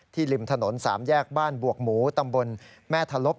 ริมถนน๓แยกบ้านบวกหมูตำบลแม่ทะลบ